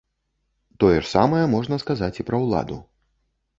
Тое ж самае можна сказаць і пра ўладу.